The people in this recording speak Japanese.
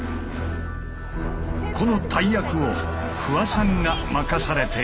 この大役を不破さんが任されている！